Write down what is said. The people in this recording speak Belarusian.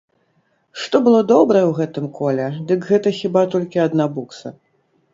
Што было добрае ў гэтым коле, дык гэта хіба толькі адна букса.